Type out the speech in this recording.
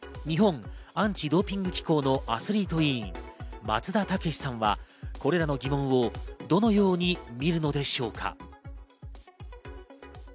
日本アンチ・ドーピング機構のアスリート委員、松田丈志さんはこれらの疑問をどのように見るのでしょうか？